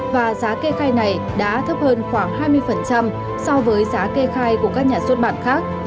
và giá kê khai này đã thấp hơn khoảng hai mươi so với giá kê khai của các nhà xuất bản khác